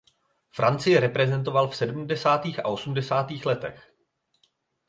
Francii reprezentoval v sedmdesátých a osmdesátých letech.